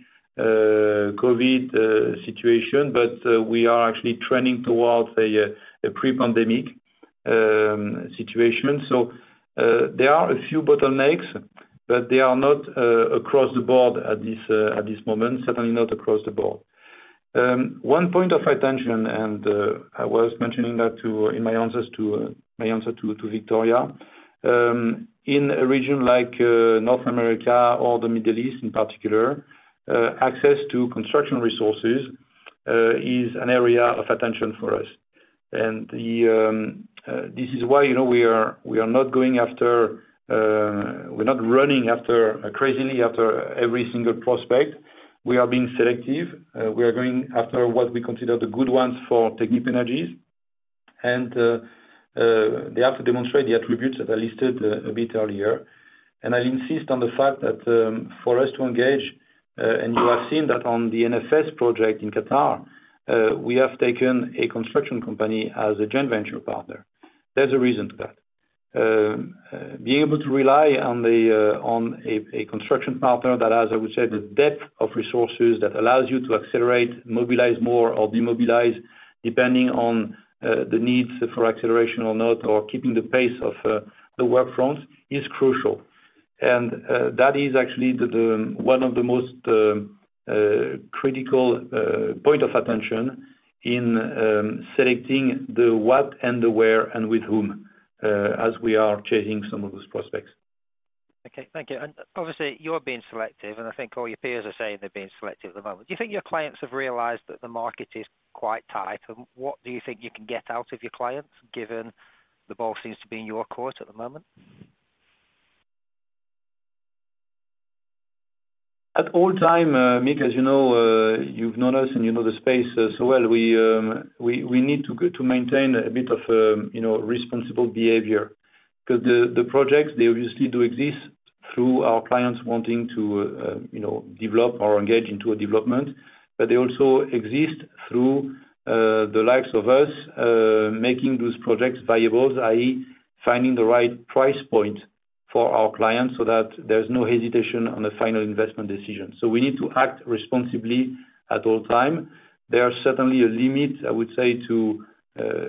situation, but we are actually trending towards a pre-pandemic situation. So, there are a few bottlenecks, but they are not across the board at this moment, certainly not across the board. One point of attention, and I was mentioning that in my answer to Victoria. In a region like North America or the Middle East in particular, access to construction resources is an area of attention for us. And this is why, you know, we are not going after, we're not running after crazily after every single prospect. We are being selective. We are going after what we consider the good ones for Technip Energies. And they have to demonstrate the attributes that I listed a bit earlier. I'll insist on the fact that, for us to engage, and you have seen that on the NFS project in Qatar, we have taken a construction company as a joint venture partner. There's a reason to that. Being able to rely on a construction partner that has, I would say, the depth of resources that allows you to accelerate, mobilize more or demobilize, depending on the needs for acceleration or not, or keeping the pace of the work front, is crucial. That is actually the one of the most critical point of attention in selecting the what and the where and with whom, as we are chasing some of those prospects. Okay. Thank you. And obviously, you're being selective, and I think all your peers are saying they're being selective at the moment. Do you think your clients have realized that the market is quite tight? And what do you think you can get out of your clients, given the ball seems to be in your court at the moment? At all times, Mick, as you know, you've known us, and you know the space so well, we need to maintain a bit of, you know, responsible behavior. 'Cause the projects, they obviously do exist through our clients wanting to, you know, develop or engage into a development. But they also exist through the likes of us making those projects viable, i.e., finding the right price point for our clients so that there's no hesitation on the final investment decision. So we need to act responsibly at all times. There are certainly a limit, I would say, to,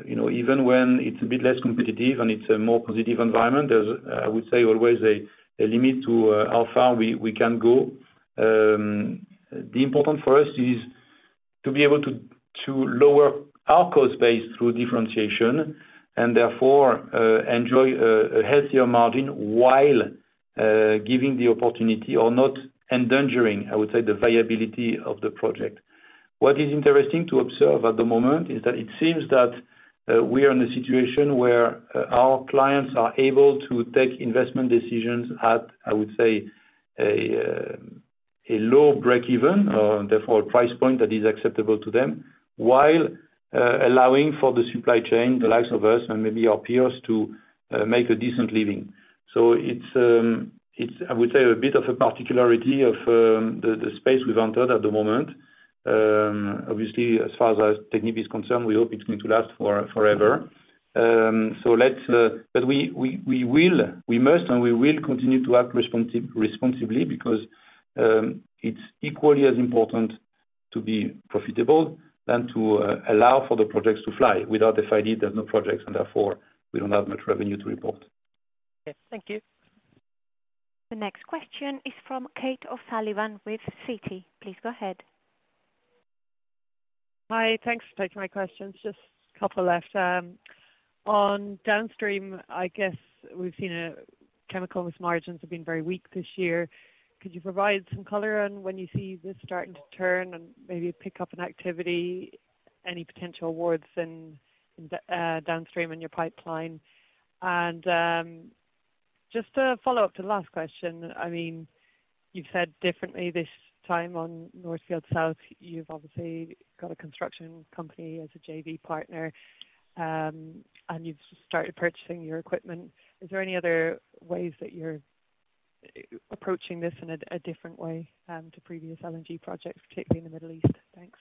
you know, even when it's a bit less competitive and it's a more positive environment, there's, I would say, always a limit to how far we can go. The important for us is to be able to, to lower our cost base through differentiation, and therefore enjoy a healthier margin while giving the opportunity or not endangering, I would say, the viability of the project. What is interesting to observe at the moment is that it seems that we are in a situation where our clients are able to take investment decisions at, I would say, a low breakeven or therefore price point that is acceptable to them, while allowing for the supply chain, the likes of us and maybe our peers, to make a decent living. So it's I would say a bit of a particularity of the space we've entered at the moment. Obviously, as far as Technip is concerned, we hope it's going to last for forever. But we will, we must and we will continue to act responsibly because it's equally as important to be profitable and to allow for the projects to fly. Without FID, there's no projects, and therefore we don't have much revenue to report. Okay, thank you. The next question is from Kate O'Sullivan with Citi. Please go ahead. Hi, thanks for taking my questions. Just couple left. On downstream, I guess we've seen chemicals margins have been very weak this year. Could you provide some color on when you see this starting to turn and maybe pick up in activity, any potential awards in downstream in your pipeline? And just to follow up to the last question, I mean, you've said differently this time on North Field South. You've obviously got a construction company as a JV partner, and you've started purchasing your equipment. Is there any other ways that you're approaching this in a different way to previous LNG projects, particularly in the Middle East? Thanks.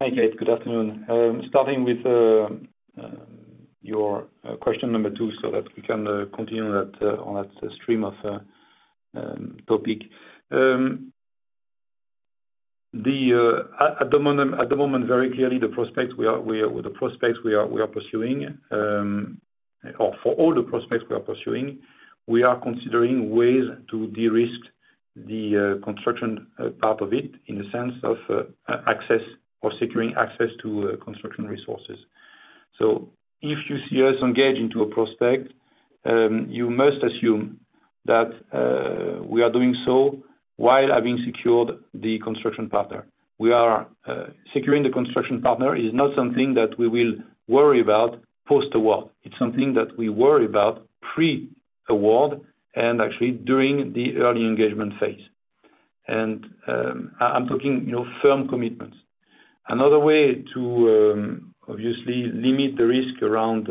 Hi, Kate, good afternoon. Starting with your question number two, so that we can continue on that stream of topic. At the moment, very clearly, the prospects we are pursuing, or for all the prospects we are pursuing, we are considering ways to de-risk the construction part of it, in the sense of access or securing access to construction resources. So if you see us engage into a prospect, you must assume that we are doing so while having secured the construction partner. Securing the construction partner is not something that we will worry about post-award. It's something that we worry about pre-award, and actually, during the early engagement phase. I'm talking, you know, firm commitments. Another way to obviously limit the risk around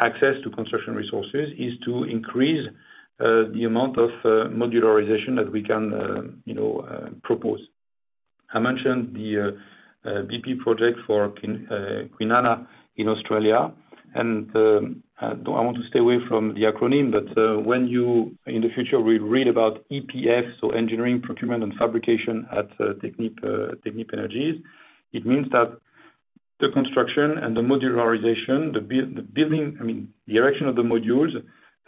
access to construction resources is to increase the amount of modularization that we can, you know, propose. I mentioned the BP project for Kwinana in Australia, and though I want to stay away from the acronym, but when you in the future will read about EPF, so engineering, procurement, and fabrication at Technip Energies, it means that the construction and the modularization, the building, I mean, the erection of the modules,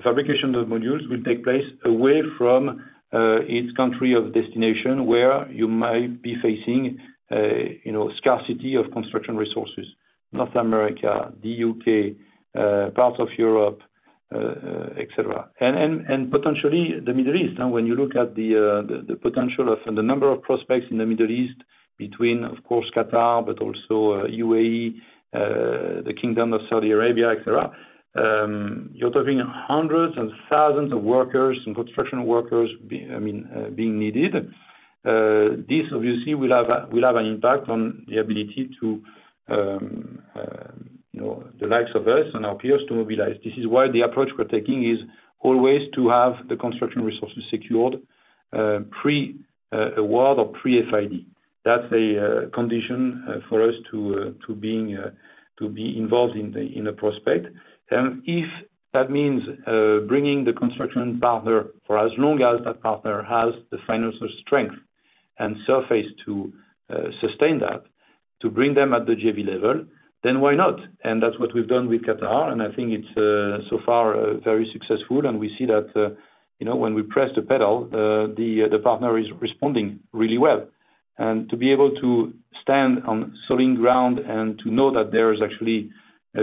fabrication of the modules will take place away from its country of destination, where you might be facing, you know, scarcity of construction resources, North America, the U.K., parts of Europe, etc. Potentially the Middle East, and when you look at the potential of, and the number of prospects in the Middle East, between of course, Qatar, but also, UAE, the Kingdom of Saudi Arabia, et cetera, you're talking hundreds and thousands of workers and construction workers—I mean, being needed. This obviously will have a will have an impact on the ability to, you know, the likes of us and our peers to mobilize. This is why the approach we're taking is always to have the construction resources secured pre-award or pre-FID. That's a condition for us to to being to be involved in the prospect. If that means bringing the construction partner for as long as that partner has the financial strength and surface to sustain that, to bring them at the JV level, then why not? And that's what we've done with Qatar, and I think it's so far very successful, and we see that, you know, when we press the pedal, the partner is responding really well. And to be able to stand on solid ground and to know that there is actually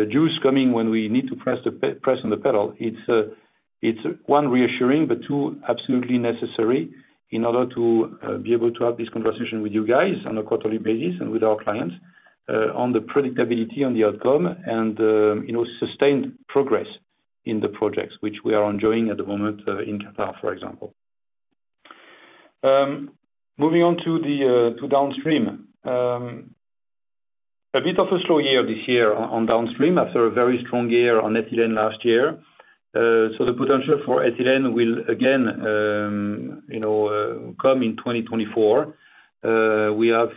juice coming when we need to press on the pedal, it's one reassuring, but two, absolutely necessary in order to be able to have this conversation with you guys on a quarterly basis, and with our clients on the predictability on the outcome and, you know, sustained progress in the projects which we are enjoying at the moment in Qatar, for example. Moving on to the downstream. A bit of a slow year this year on downstream after a very strong year on ethylene last year. So the potential for ethylene will again, you know, come in 2024. We have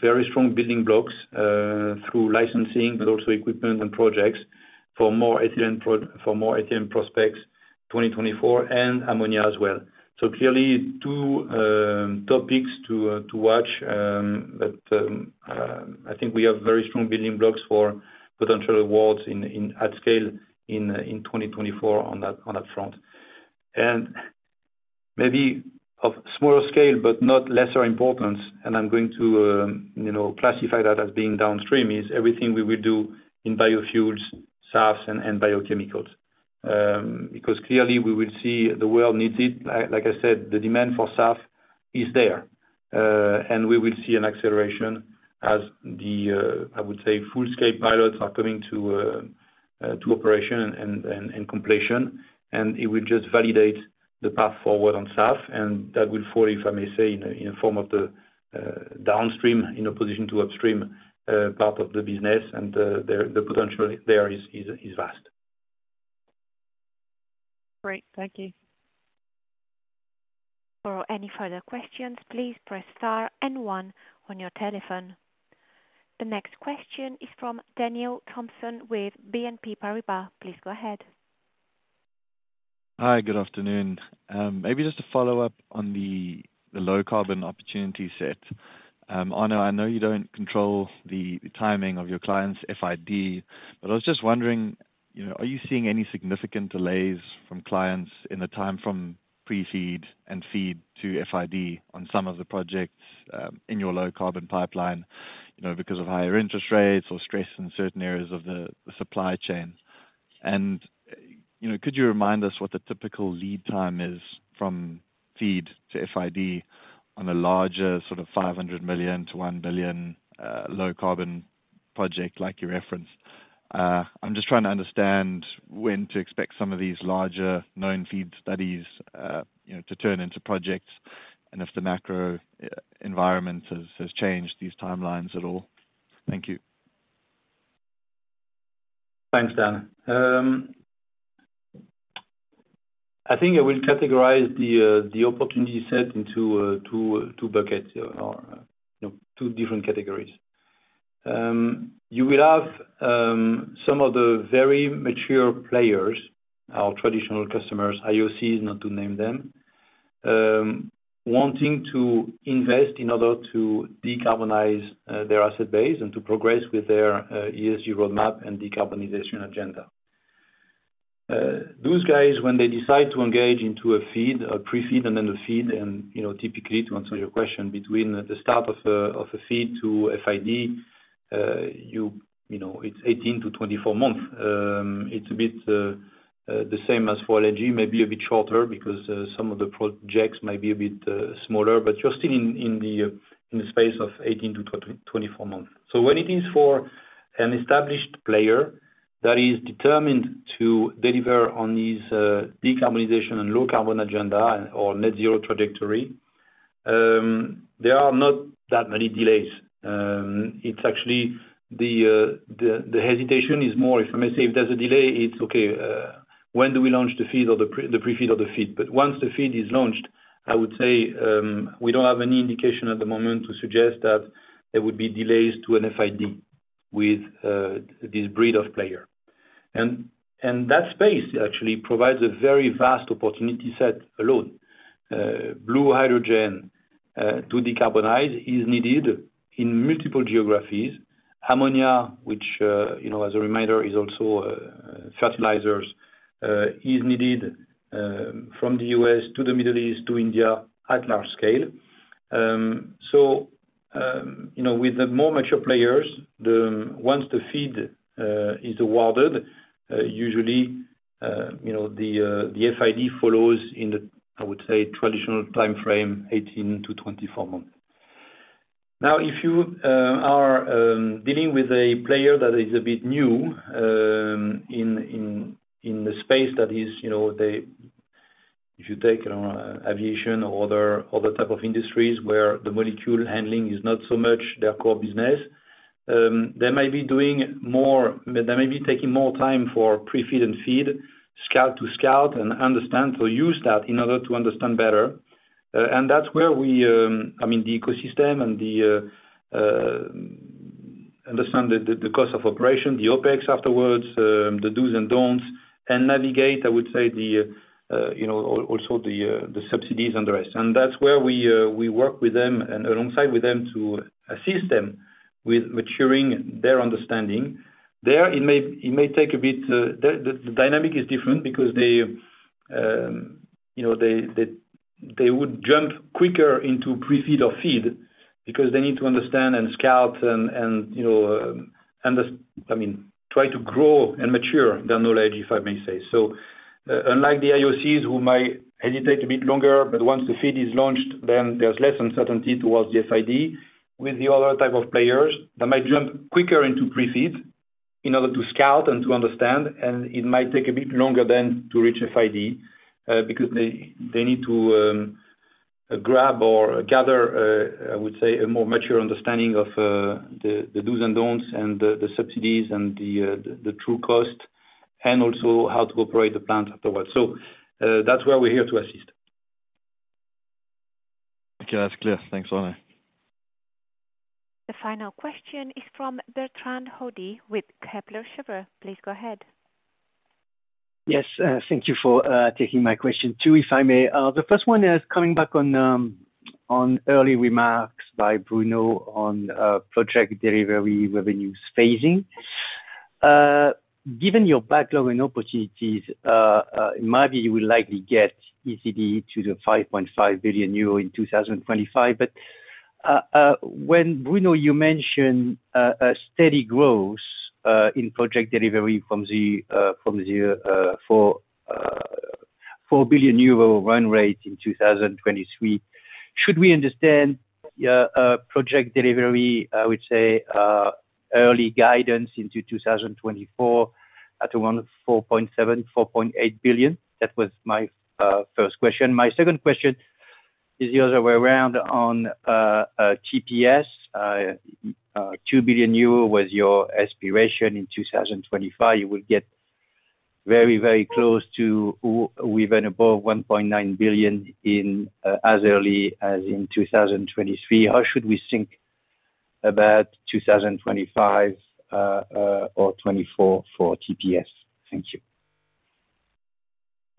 very strong building blocks through licensing, but also equipment and projects for more ethylene prospects, 2024, and ammonia as well. So clearly, two topics to watch, but I think we have very strong building blocks for potential awards in, in, at scale, in 2024 on that front. And maybe of smaller scale, but not lesser importance, and I'm going to, you know, classify that as being downstream: everything we will do in biofuels, SAFs, and biochemicals. Because clearly we will see the world needs it. Like I said, the demand for SAF is there. And we will see an acceleration as the, I would say, full scale pilots are coming to operation and completion. It will just validate the path forward on SAF, and that will fall, if I may say, in form of the downstream, in a position to upstream part of the business, and the potential there is vast. Great, thank you. For any further questions, please press star and one on your telephone. The next question is from Daniel Thomson with BNP Paribas. Please go ahead. Hi, good afternoon. Maybe just to follow up on the low carbon opportunity set. Arnaud, I know you don't control the timing of your clients' FID, but I was just wondering, you know, are you seeing any significant delays from clients in the time from pre-FEED and FEED to FID on some of the projects in your low carbon pipeline? You know, because of higher interest rates or stress in certain areas of the supply chain. And, you know, could you remind us what the typical lead time is from FEED to FID on a larger, sort of, 500 million-1 billion low carbon project like you referenced? I'm just trying to understand when to expect some of these larger known FEED studies, you know, to turn into projects, and if the macro environment has changed these timelines at all? Thank you. Thanks, Dan. I think I will categorize the opportunity set into two buckets or, you know, two different categories. You will have some of the very mature players, our traditional customers, IOCs, not to name them, wanting to invest in order to decarbonize their asset base and to progress with their ESG roadmap and decarbonization agenda. Those guys, when they decide to engage into a FEED, a pre-FEED and then a FEED, and, you know, typically, to answer your question, between the start of a FEED to FID, you know, it's 18-24 months. It's a bit the same as for LNG, maybe a bit shorter because some of the projects might be a bit smaller, but you're still in the space of 18-24 months. So when it is for an established player that is determined to deliver on these decarbonization and low carbon agenda or net zero trajectory, there are not that many delays. It's actually the hesitation is more, if I may say, if there's a delay, it's okay when do we launch the FEED or the pre-FEED or the FEED? But once the FEED is launched, I would say, we don't have any indication at the moment to suggest that there would be delays to an FID with this breed of player. That space actually provides a very vast opportunity set alone. Blue hydrogen to decarbonize is needed in multiple geographies. Ammonia, which, you know, as a reminder, is also, fertilizers, is needed, from the U.S. to the Middle East to India at large scale. You know, with the more mature players, once the FEED is awarded, usually, you know, the FID follows in the, I would say, traditional timeframe, 18-24 months. Now, if you are dealing with a player that is a bit new, in the space, that is, you know, they... If you take aviation or other type of industries where the molecule handling is not so much their core business, they might be doing more, they might be taking more time for pre-FEED and FEED, scout to scout, and understand, to use that in order to understand better. And that's where we, I mean, the ecosystem and understand the cost of operation, the OpEx afterwards, the dos and don'ts, and navigate, I would say, you know, also the subsidies and the rest. And that's where we work with them, and alongside with them, to assist them with maturing their understanding. There, it may take a bit, the dynamic is different because they, you know, would jump quicker into pre-FEED or FEED because they need to understand and scout and, you know, I mean, try to grow and mature their knowledge, if I may say so. Unlike the IOCs, who might hesitate a bit longer, but once the FEED is launched, then there's less uncertainty towards the FID. With the other type of players, they might jump quicker into Pre-FEED in order to scout and to understand, and it might take a bit longer then to reach FID, because they, they need to, grab or gather, I would say, a more mature understanding of, the dos and don'ts, and the subsidies, and the true cost, and also how to operate the plant afterwards. So, that's where we're here to assist. Okay, that's clear. Thanks, Arnaud. The final question is from Bertrand Hodee with Kepler Cheuvreux. Please go ahead. Yes, thank you for taking my question, too, if I may. The first one is coming back on early remarks by Bruno on Project Delivery revenues phasing. Given your backlog and opportunities, in my view, you will likely get EPC to the 5.5 billion euro in 2025. But, when Bruno, you mentioned, a steady growth, in Project Delivery from the, from the, four billion euro run rate in 2023, should we understand, Project Delivery, I would say, early guidance into 2024 at around 4.7-4.8 billion? That was my first question. My second question is the other way around on, TPS. Two billion euro was your aspiration in 2025. You will get very, very close to w- with above 1.9 billion in, as early as in 2023. How should we think about 2025, or 2024 for TPS? Thank you.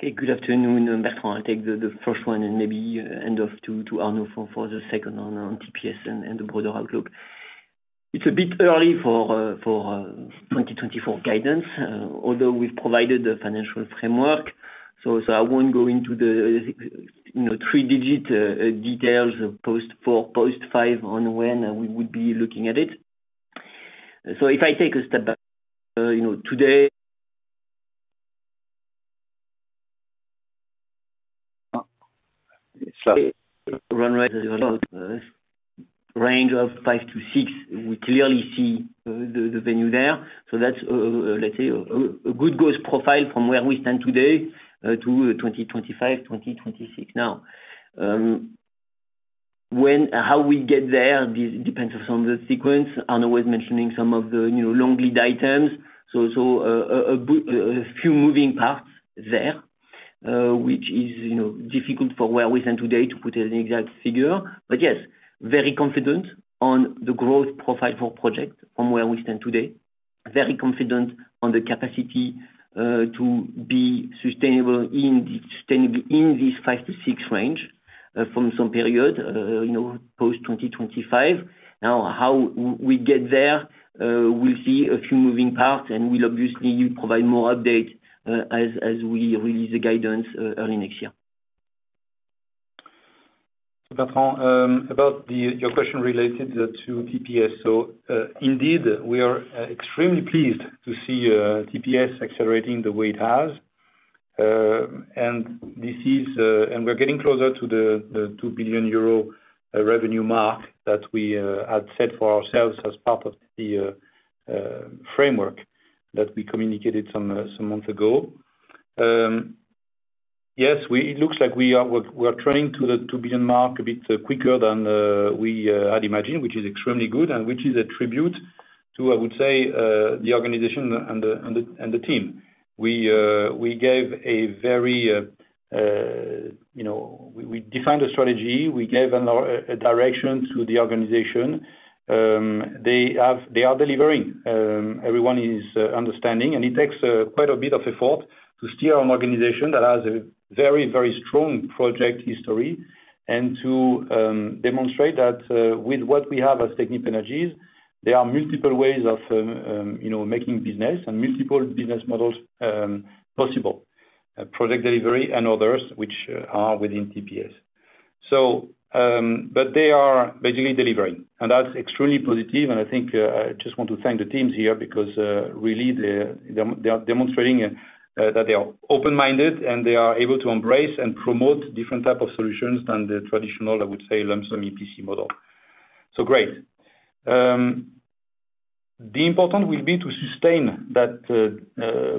Okay, good afternoon, Bertrand. I'll take the first one and maybe hand off to Arnaud for the second one on TPS and the broader outlook. It's a bit early for 2024 guidance, although we've provided the financial framework. So I won't go into the, you know, three-digit details of post-2024, post-2025 on when we would be looking at it. So if I take a step back, you know, today. So run-rate range of 5-6, we clearly see the revenue there. So that's, let's say, a good growth profile from where we stand today to 2025, 2026. Now, how we get there depends on the sequence. Arnaud was mentioning some of the, you know, long lead items, so a few moving parts there, which is, you know, difficult for where we stand today to put an exact figure. But yes, very confident on the growth profile for project from where we stand today. Very confident on the capacity to be sustainable in this 5-6 range from some period, you know, post-2025. Now, how we get there, we'll see a few moving parts, and we'll obviously provide more update as we release the guidance early next year. So, Bertrand, about your question related to TPS. Indeed, we are extremely pleased to see TPS accelerating the way it has. And this is, and we're getting closer to the 2 billion euro revenue mark that we had set for ourselves as part of the framework that we communicated some months ago. Yes, it looks like we are, we're trending to the 2 billion mark a bit quicker than we had imagined, which is extremely good, and which is a tribute to, I would say, the organization and the team. We gave a very, you know, we defined a strategy, we gave a direction to the organization. They are delivering. Everyone is understanding, and it takes quite a bit of effort to steer an organization that has a very, very strong project history. And to demonstrate that, with what we have as Technip Energies, there are multiple ways of, you know, making business and multiple business models possible, Project Delivery and others which are within TPS. So, but they are basically delivering, and that's extremely positive, and I think, I just want to thank the teams here, because, really, they are demonstrating that they are open-minded, and they are able to embrace and promote different type of solutions than the traditional, I would say, lump sum EPC model. So great. The important will be to sustain that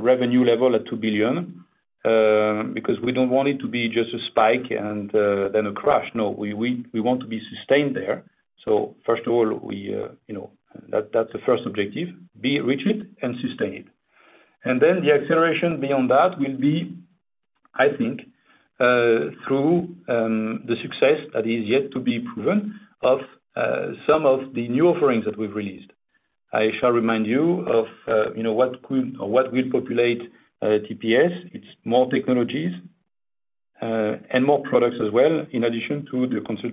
revenue level at 2 billion, because we don't want it to be just a spike and then a crash. No, we want to be sustained there. So first of all, you know, that's the first objective: be reach it and sustain it. And then the acceleration beyond that will be, I think, through the success that is yet to be proven of some of the new offerings that we've released. I shall remind you of, you know, what could, or what will populate, TPS. It's more technologies and more products as well, in addition to the consultancy.